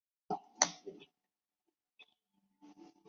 诺尔日拉维勒。